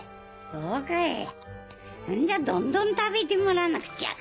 そうかいんじゃどんどん食べてもらわなくちゃ。